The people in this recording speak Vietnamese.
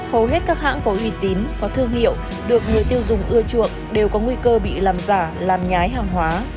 hầu hết các hãng có uy tín có thương hiệu được người tiêu dùng ưa chuộng đều có nguy cơ bị làm giả làm nhái hàng hóa